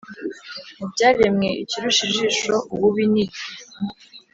Mu byaremwe, ikirusha ijisho ububi ni iki?